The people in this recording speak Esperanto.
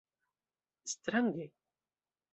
Strange.